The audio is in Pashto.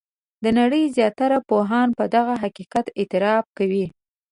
د نړۍ زیاتره پوهان په دغه حقیقت اعتراف کوي.